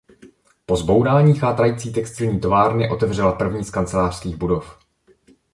Po zbourání chátrající textilní továrny otevřela první z kancelářských budov.